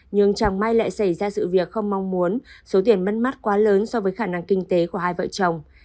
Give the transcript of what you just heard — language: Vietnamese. nhưng chẳng may lại xảy ra sự việc không mong muốn số tiền mất mắt quá lớn so với khả năng kinh tế của hai vợ chồng